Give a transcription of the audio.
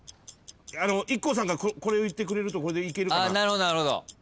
ＩＫＫＯさんがこれをいってくれるとこれでいけるかな。